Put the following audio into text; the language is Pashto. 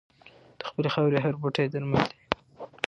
د خپلې خاورې هر بوټی درمل دی.